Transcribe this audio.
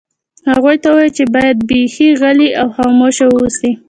هغوی ته ووایه چې باید بیخي غلي او خاموشه واوسي